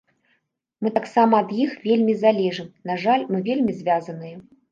Мы таксама ад іх вельмі залежым, на жаль, мы вельмі звязаныя.